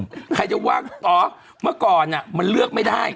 เป็นการกระตุ้นการไหลเวียนของเลือด